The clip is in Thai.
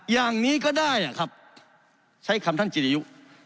อย่างนี้ก็ได้ครับใช้คำท่านจิริยุ